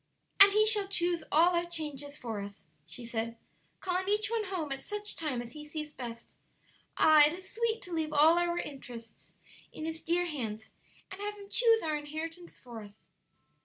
"And He shall choose all our changes for us," she said, "calling each one home at such time as He sees best. Ah, it is sweet to leave all our interests in His dear hands, and have Him choose our inheritance for us!"